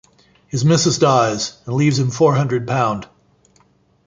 His missus dies, and leaves him four hundred pound.